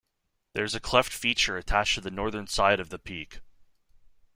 There is a cleft feature attached to the northern side of the peak.